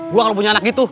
gua kalau punya anak gitu